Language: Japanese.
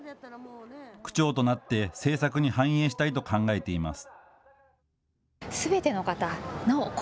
区長となって政策に反映したいと考えています。